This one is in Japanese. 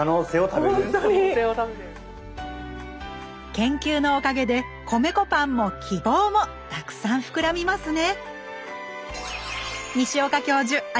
研究のおかげで米粉パンも希望もたくさん膨らみますね！